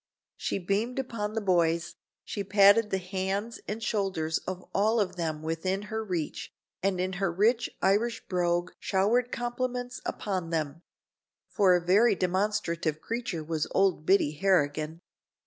She beamed upon the boys, she patted the hands and shoulders of all of them within her reach, and in her rich Irish brogue showered compliments upon them; for a very demonstrative creature was old Biddy Harrigan.